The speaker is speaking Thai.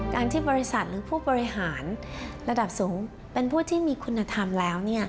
การที่บริษัทหรือผู้บริหารระดับสูงเป็นผู้ที่มีคุณธรรมแล้ว